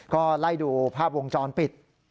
ก็ไล่ดูภาพวงจรปิด